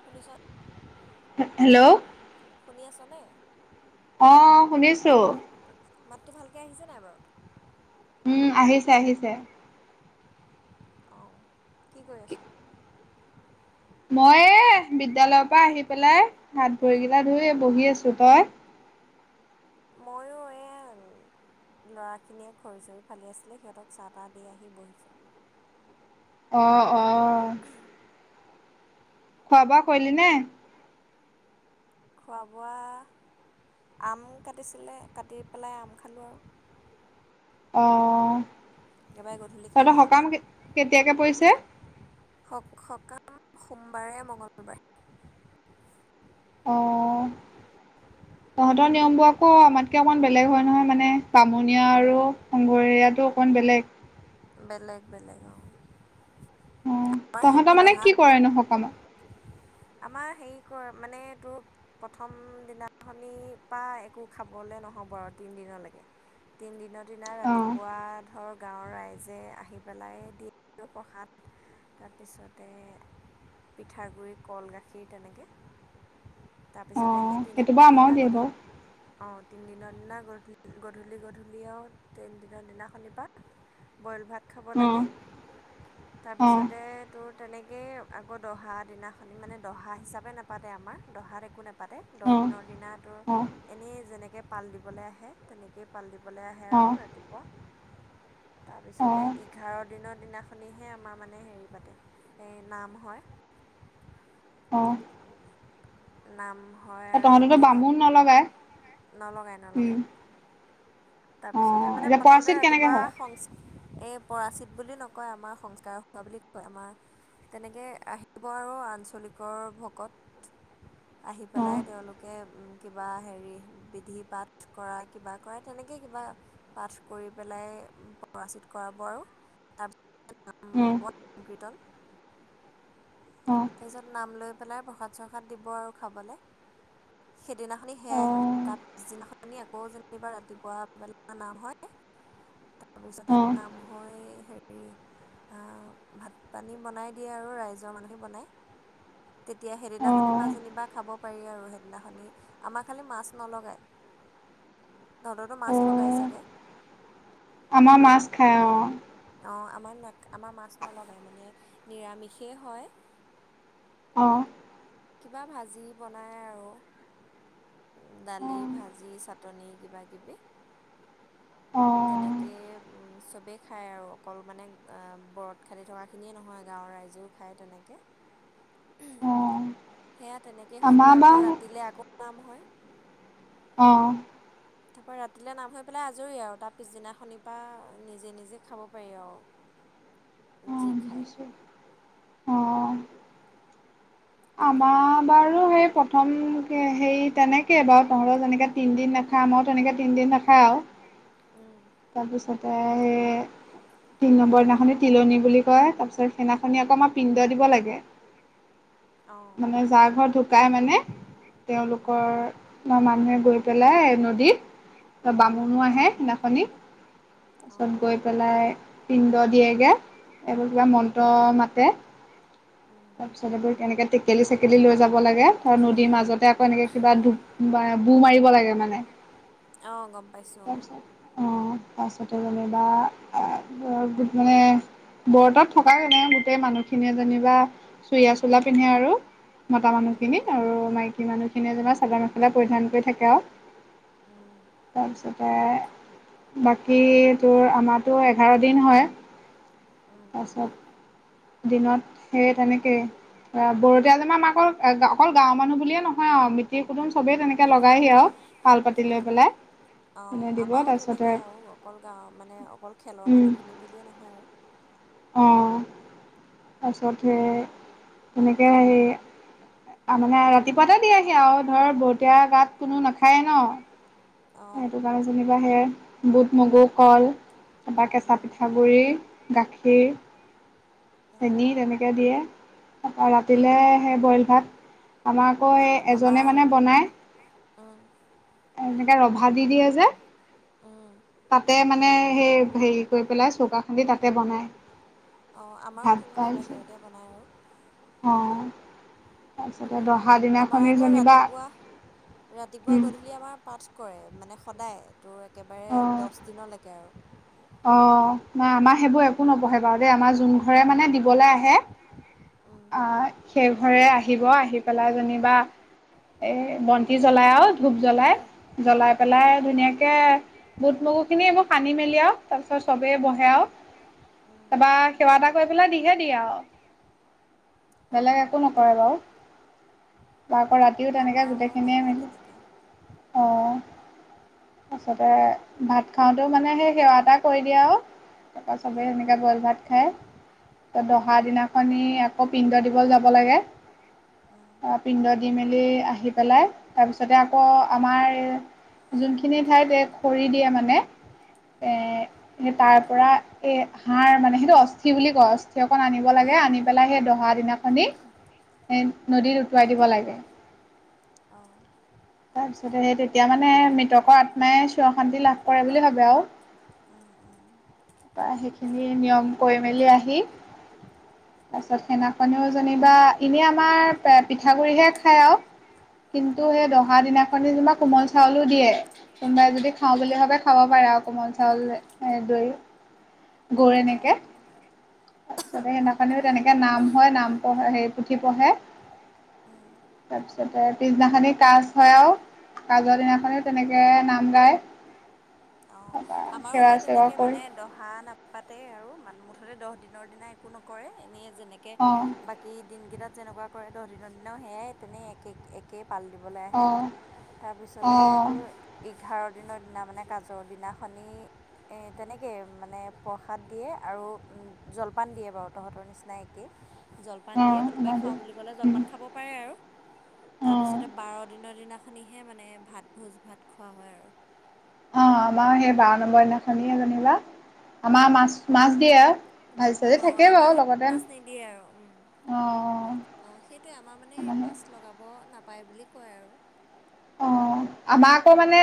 শুনিচা হে হেল্ল' শুনি আছ নে অ শুনিছো। মাতটো ভালকে আহিছে নাই বাৰু উম আহিছে আহিছে। অ কি কৰি আছ? মই এ বিদ্যালয়ৰ পৰা আহি পেলাই হাত ভৰি কিটা ধুই বহি আছো তই মইয়ো এয়াই ল'ৰাখিনিয়ে খৰি চৰি ফালি আছিলে সিহঁতক চাহ তাহ দি আহি বহিছোঁ। অ অ খোৱা-বোৱা কৰিলি নে? খোৱা-বোৱা আম কাটিছিলে কাটি পেলাই আম খালোঁ আৰু। অ একেবাৰে গধূলি খাম তহঁতৰ আৰু ভাত। সকাম কেত কেতিয়াকে পৰিছে? সক সকাম সোমবাৰে, মঙলবাৰে। অ তহঁতৰ নিয়মবোৰ আকৌ আমাতকৈ অকণমান বেলেগ হয় নহয় মানে। বামুনীয়া আৰু শংঘৰীয়াটো অকণমান বেলেগ বেলেগ বেলেগ অ। অ তহঁতৰ মানে কি কৰেনো সকামত? আমাৰ হেৰি কয় মানে এটো- প্ৰথম দিনাখনিৰ পৰা একো খাবলে নহব আৰু তিন দিনলেকে তিনিদিনৰ দিনা অ ৰাতিপুৱা ধৰ গাঁৱৰ ৰাইজে আহি পেলাই দিয়ে। প্ৰসাদ তাৰপিছতে পিঠাগুৰি কল গাখীৰ তেনেকে অ তাৰপিছতে সেই তিনি সেইটো বাৰু দিন আমাৰো দিনা দিয়ে বাৰু গধূলি অঁ তিনিদিনৰ দিনা গধূলি গধূলিও তিনিদিনৰ দিনা শনিবাৰ বইল ভাত খাব অ লাগে অ তাৰপিছতে তোৰ তেনেকৈই আকৌ দহা দিনা খ মানে দহা হিচাপে নাপাতে আমাৰ দহাত একো নেপাতে দহ অ দিনৰ দিনাতো অ এনেই যেনেকৈ পাল দিবলৈ আহে তেনেকেই পাল দিবলৈ আহে অ আৰু ৰাতিপুৱা অ তাৰপিছতে এঘাৰ দিনৰ দিনাখনিহে আমাৰ মানে হেৰি পাতে এ নাম হয় অঁ নাম হয় আৰু তহঁতেতো বামুণ নলগাই দিনত নলগাই উম নলগায় অ তাৰপিছতে মানে এতিয়া প্ৰথমতে পৰাচিত কেনেকে ৰাতিপুৱা হয় সংস্কৃত এই পৰাচিত বুলি নকয় আমাৰ সংস্কাৰ হোৱা বুলি কয় আমাৰ তেনেকে আহিব আৰু আঞ্চলিকৰ ভকত আহি অ পেলাই তেওঁলোকে কিবা হেৰি বিধি পাঠ কৰা কিবা কৰা তেনেকে কিবা পাঠ কৰি পেলাই পৰাচিত কৰাব আৰু তাৰপিছ নাম উম হ'ব নাম কীৰ্তন অ তাৰপিছত নাম লৈ পেলাই প্ৰসাদ চসাদ দিব আৰু খাবলে সেইদিনাখনি অ সেয়াই হয় তাৰ পিছদিনাখনি আকৌ যেনিবা ৰাতিপুৱাবেলা নাম হয় তাৰ অ পিছতে নাম হয় হেৰি হেৰি ভাত পানী বনাই দিয়ে আৰু ৰাইজৰ মানুহে বনায় তেতিয়া অ সেইদিনাখনি পা যেনিবা খাব পাৰি আৰু সেইদিনাখনি আমাৰ খালি মাছ নলগায় তহঁতৰ টো মাছ লগাই চাগে আমা মাছ খায় অ অঁ আমাৰ ন আমাৰ মাছ নলগায় মানে নিৰামিষেই হয় অঁ কিবা ভাজি বনাই আৰু দালি ভাজি চাটনি কিবাকিবি অ অ তেনেকৈ চবেই খায় আৰু অকল মানে ব্ৰত খাট থকা খিনিয়ে নহয় গাঁৱৰ ৰাইজেও খায় তেনেকে অ সেয়া তেনেকৈ হৈ আমাৰ পেলাই আকৌ বাৰু ৰাতিলৈ আকৌ নাম হয়। অঁ তাৰ পৰা ৰাতিলৈ নাম হৈ পেলাই আজৰি আৰু তাৰ পিছদিনা খনিৰ পৰা নিজে নিজে খাব পাৰি আৰু [inaudible] অ খায় অ তেনেকৈ আমাৰ বাৰু সেই প্ৰথম হেই তেনেকে বাৰু তহঁতৰ যেনেকে তিনদিন নাখায় আমাৰো তেনেকে তিনদিন নাখায় নাখাই আও তাৰপিছত [inaudible] তিনি নম্বৰ দিনাখন তিলনী বুলি কয় তাৰপিছত সেইদিনাখনি অক আমাৰ পিণ্ড দিব লাগে। অঁ মানে যাৰ ঘৰত ঢুকাই মানে অঁ তেওঁলোকৰ মানুহে গৈ পেলাই নদীত বামুনো আহে সেইদিনাখনি অঁ গৈ গৈ পেলাই পিণ্ড দিয়েগে তাতো কিবা মন্ত্ৰ মাতে। উম। তাৰ পিছত কেনেকে টেকেলি চেকেলি লৈ যাব লাগে ত নদীৰ মাজতে আকৌ এনেকে কিবা ধূপ বা বু মাৰিব লাগে মানে অঁ গম পাইছোঁ অঁ পাছতে যেনিবা অ আ মানে বৰতাত থকা জনে গোটেই মানুহখিনিয়ে যেনিবা চুৰিয়া, চোলা পিন্ধে আৰু মতা অঁ মানুহখিনি উম আৰু মাইকী মানুহ খিনিয়ে যেনিবা চাদৰ-মেখেলা পৰিধান কৰি থাকে আঔ। উম উম তাৰপিছতে বাকী তুৰ আমাতো এঘাৰ দিন হয়। উম তাছত, দিনত- সেই তেনেকেই। বৰতীয়া যে মা-মাকৰ অকল গাঁৱৰ মানুহ বুলিয়ে নহয় আঔ মিতিৰ কুটুম চবেই তেনেকে লগাইহি আঔ। পাল-পাতি লৈ উম পেলাই। অঁ কোনে দিব আমাৰো তাৰপিছতে তেনেকে আৰু অকল গাঁৱৰ মানে অকল খেলৰ উম মানুহখিনি বুলিয়ে নহয় আও। অঁ, তাছত সেই তেনেকে হেৰি আউ মানে ৰাতিপুৱাতে দিয়েহি আঔ ধৰ বৰতিয়া গাত কোনো নাখায়ে ন'। অঁ সেইটো কাৰণে যেনিবা সেই বুট, মগু, কল তাপা কেঁচা উম পিঠাগুড়ি, গাখীৰ অঁ চেনি তেনেকে দিয়ে, তাপৰা ৰাতিলে অঁ আহে বইল ভাত আমাৰ আকৌ এই এজনে আমাৰ মানে বনায় উম' এনেকে ৰভা দি দিয়ে যে উম তাতে মানে সেই হেৰি কৰি পেলাই চৌকা খান্দি তাতে বনাই। অঁ, আমাৰো তেনেকে বাহিৰতে বনাই আৰু। অ' তাৰপিছতে দহা দি আমাৰ আকৌ ৰাতিপুৱা, উম ৰাতিপুৱা-গধূলি আমাৰ পাঠ কৰে মানে সদায় তোৰ একেবাৰে দছ দিনলৈকে আৰু। অঁ, নাই আমাৰ সেইবোৰ একো নপঢ়ে বাৰু দেই আমাৰ যোন ঘৰে মানে দিবলে আহে উম সেই ঘৰে আহিব আহি পেলাই যেনিবা এ বন্তি জ্বলাই আৰু ধূপ জ্বলাই, জ্বলাই পেলাই ধুনীয়াকে বুট, মগু খিনি এইবোৰ সানি-মেলি আও তাৰ পিছত চবেই বহে আঔ, উম তাপা সেৱা এটা কৰি পেলাই দিহে দিয়ে আঔ। অঁ বেলেগ একো নকৰে বাৰু। তা-আকৌ উম ৰাতিও তেনেকে আমাৰ বাৰু গোটেইখিনিয়ে নহয় মিলি তেনেকৈ তাৰছতে, ভাত খাওঁতেও মানে সেই সেৱা এটা কৰি দিয়ে আও তাৰপাছতে উম এনেকা উম বইল ভাত খায়। ত' দহা উম দিনাখনি আকৌ পিণ্ড দিব যাব লাগে। উম পিণ্ড দি মেলি আহি পেলাই তাৰপিছতে আকৌ আমাৰ যোনখিনি ঠাইত ইয়েত খৰি দিয়ে মানে এ উম সেই তাৰ পৰা এ হাড় মানে সেইটো অস্থি বুলি কয় অস্থি অকণ আনি ব লাগে উম আনি পেলাই সেই দহা দিনাখনি, নদীত উটুৱাই দিব লাগে। অ। তাৰপিছতে সেই তেতিয়া মানে মৃতকৰ আত্মাই চিৰশান্তি লাভ কৰে বুলি ভাবে আঔ। উম্ উম্। তা' সেইখিনি নিয়ম কৰি-মেলি আহি তাছত সেদিনাখনো যেনিবা এনেই আমাৰ পিঠাগুড়ি হে খায় আঔ [unintelligible] কিন্তু সেই দহা দিনাখনি তোমাক কোমল চাউলো দিয়ে। কোনোবাই যদি খাওঁ বুলি ভাবে খাব পাৰা কোমল চাউল, এ দৈ। গৰ এনেকে তাৰপিছতে সেইদিনাখনিও তেনেকে নাম হয় নাম পঢ়ে হে পুথি পঢ়ে উম তাৰপিছতে পিছদিনাখনে কাচ সেইয়াও কাজৰ দিনাখনেও তেনেকে নাম গায়। অ তাৰপা আমাৰো সেৱা সেই চেৱা তেনেকে কৰি মানে। দহা নাপাতে আৰু মুঠতে দহ দিনৰ দিনা একো নকৰে এনেই যেনেকে অ', বাক, কি দিনকেইটাত যেনেকুৱা কৰে দহ দিনৰ দিনা সেয়াই তেনেই এক এক একেই পাল দিবলৈ আহে অ', তাৰপিছতে অ', তোৰ এঘাৰ দিনৰ দিনা মানে কাজ ৰ দিনাখনি এ তেনেকেই মানে প্ৰসাদ দিয়ে আৰু জলপান দিয়ে বাৰু তহঁতৰ নিচিনা। নাই একেই জলপান দিয়ে অ', কোনোবাই আমাৰো খাওঁ বুলি ক'লে উম, জলপান খাব পাৰে আৰু অ', তাৰপিছতে বাৰ দিনৰ দিনাখনিহে মানে ভাত ভোজ ভাত খোৱা হয় আৰু অ আমাৰ সেই বাৰ নম্বৰ দিনাখনিয়ে যেনিবা আমাৰ মাছ মাছ দিয়ে। ভাজি চাজি অ থাকেই আমাৰ বাৰু যে লগতে মাছ নিদিয়ে আৰু উম, মানে অ সেইটোৱে আমাৰ মানে মাছ লগাব নাপায় বুলি কয় আৰু অ আমাৰ আকৌ মানে।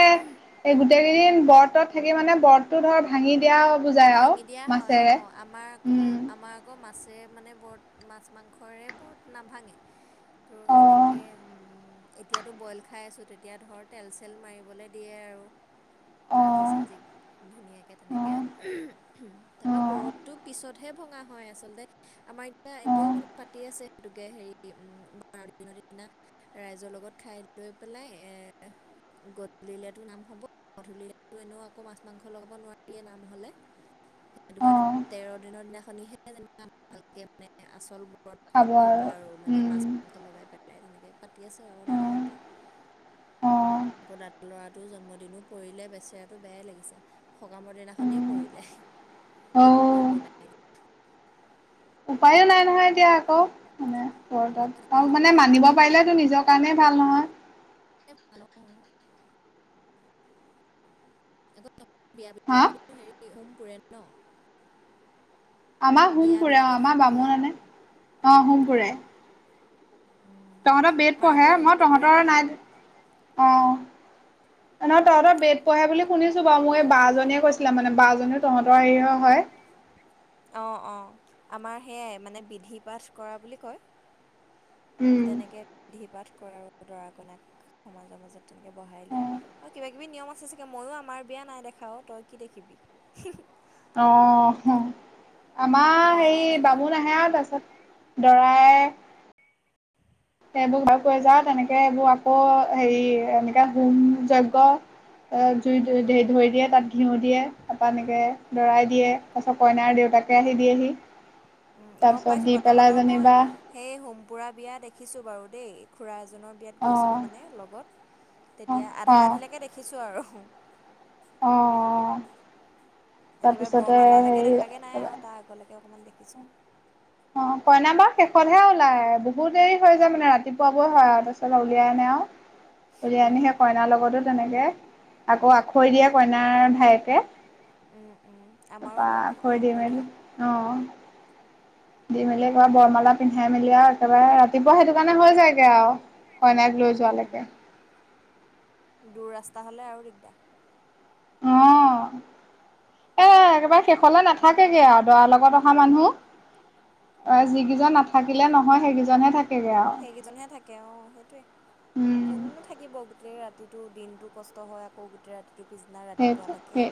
এই গোটেইকেইদিন বডটো থাকি মানে বডটো ধৰ ভাঙি দিয়া হ ভাঙি দিয়া হয় অ আমাৰ আক, উম আমাৰ আকৌ মাছে মানে ব্ৰত মাছ মাংসৰে ব্ৰত নাভাঙে, তো অ এনেকে এতিয়াতো বইল খাই আছোঁ তেতিয়া ধৰ তেল চেল মাৰিবলে। দিয়ে আৰু অ ভাজি চাজি ধুনীয়াকে অ তেনেকে। অ তাৰপা ব্ৰতটো পিছতহে ভঙা হয় আচলতে, আমাৰ এতিয়া অ এতিয়াও মানে পাতি আছে সেইটোকে হেৰি উম বাৰ দিনৰ দিনা। ৰাইজৰ লগত খাই লৈ পেলাই এ গধূলাতো নাম হ'ব গধূলো এনেও আকৌ মাছ মাংস লগাব নোৱাৰিয়ে নাম হ'লে। সেইটো অ কাৰণে তেৰ দিনৰ দিনাখনহে যেনিবা ভালকে মানে আচল ব্ৰত, খাব ভঙা হ'ব আৰু মানে মাছ উম মাংস লগাই পেলাই তেনেকৈ পাতি আছে আৰু অ দাদাহঁতে, অ আকৌ দাদা ল'ৰাটোৰ জন্মদিনো পৰিলে বেচেৰাটো বেয়াই লাগিছে। সকামৰ দিনাখনেই উম পৰিলে অ একো কৰিব নাই। উপায়ো নাই নহয় এতিয়া আকৌ মানে বৰ এটা, উপায় নাই আৰু মানে তাকেহে মানিব পাৰিলেতো নিজৰ কাৰণেই ভাল নহয়। [unintelligible] ভাল হ'ব। আকৌ বিয়া পাতিলে হা আকৌ তো হেৰি হোম পুৰে ন, আমাৰ হোমপুৰে অ বিয়াবিলাকত আমাৰ হোম পুৰে বামুণনে অ হোমপুৰে, অঁ তহঁতৰ বেড আমাৰ আকৌ পঢ়ে হোম মই নুপুৰে তহঁতৰ নহয় নাই অ [inaudible] ন ন তহঁৰ বেত পঢ়ে বুলি শুনিছো বাৰু মই এই বা জীনিয়ে কৈছিলে মানে বা জনীও তহঁতৰ হেৰিৰ হয়। অঁ অঁ আমাৰ সেয়াই মানে বিধি পাঠ কৰা বুলি কয়। উম তেনেকে বিধি পাঠ কৰে আৰু দৰা কনাক সমাজৰ মাজত তেনেকে বহাই লৈ। আৰু কিবা কিবি নিয়ম আছে চাগে মইয়ো আমাৰ বিয়া নাই দেখাও তই কি দেখিবি। অ আমাৰ মই নাই হেৰি দেখা বামুন‌ আহে আৰু তাৰপিছত। দৰাই, সেইবোৰ ঘ কৈ যাও তেনেকে সেইবোৰ আকৌ হেৰি এনেকে হোম যজ্ঞ, [inaudible] অ', জুই ধ উম ধৰি দিয়ে তাত ঘিউ দিয়ে তাৰপৰা এনেকৈ দৰাই দিয়ে তাৰপাছত কইনাৰ দেউতাকে আহি দিয়েহি গ'ম তাৰপিছত পাইছোঁ দি বা পেলাই তহঁতৰ মই যেনিবা সেই হোমপুৰা বিয়া দেখিছোঁ বাৰু দেই খুৰা এজনৰ বিয়াত অ গৈছিলোঁ মানে লগত তেতিয়া অ আধা আধিলৈকে দেখিছোঁ আৰু। অ'। একেবাৰে তাৰপিছতে বৰমালৈকে হেৰি দেখা গে নাই আৰু তাৰ আগলৈকে অকণমান দেখিছোঁ। অ', কইনা বাৰ শেষতহে ওলাই বহুত দেৰি হৈ যায় মানে ৰাতিপুৱাবৈ হয় আৰু তাৰপছত উলিয়াই আনে আৰু। তেতিয়া আনি উম, সেই কইনাৰ লগতো তেনেকে আকৌ আখৈ দিয়ে কইনাৰ ভায়েকে উম, উম, আমাৰো তপা বাৰু আখৈ এয়া দিম থৈ দিয়ে। আৰু অ'। দি মেলি একবাৰ বৰমালা পিন্ধাই মেলি আৰু একেবাৰে ৰাতিপুৱা সেইটো কাৰণে হৈ যায়গে আৰু কইনা। উম দূৰ ৰাস্তা হ'লে আৰু দিগদাৰ অ'। এ একেবাৰে শেষলৈ নাথাকে গে আৰু দৰাৰ লগত অহা মানুহ। অ', উম, যিকেইজন নাথাকিলে নহয় সেইকেইজনহে থাক। সেইকেইজনহে থাকে অ', সেইটোৱেই। উম কোননো থাকিব গোটেই ৰাতিটো দিনটো কষ্ট হয় আকৌ গোটেই ৰাতিটোৰ পিছদিনা ৰাতিপুৱালৈকে।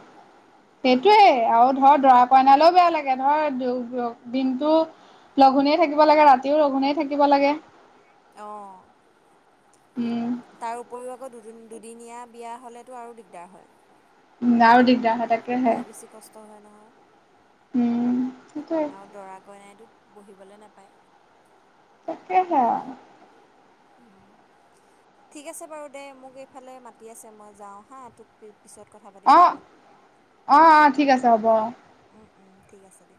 সেইটোৱেই, আৰু ধৰ দৰা কইনালৈও বেয়া লাগে ধৰ দিনটো। লঘোণেই থাকিব লাগে ৰাতিও লঘোণেই থাকিব লাগে। অ'। উম তাৰ উপৰিও আকৌ দুদিন দুদিনীয়া বিয়া হ'লেতো আৰু দিগদাৰ হয়। উম, আৰু দি আৰু বেছি কষ্ট হয় নহয়। উম সেইটোৱে আৰু দৰা কইনাইটোত বহিবলৈ নাপায়। তাকয়া হে'। ঠিক আছে বাৰু দে মোক এইফালে মাতি আছে মই যাওঁ হা তোক। পিছত কথা পা। অ', অ', অ' ঠিক আছে হ'ব অ' ঠিক আছে দে।